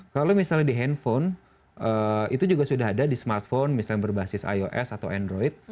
kalau misalnya di handphone itu juga sudah ada di smartphone misalnya berbasis ios atau android